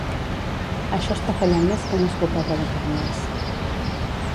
Això està fallant més que una escopeta de canyes